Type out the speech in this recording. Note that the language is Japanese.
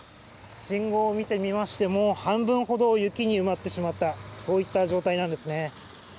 信号を見てみましても、半分ほど雪に埋まってしまった、そういった状態なんですね。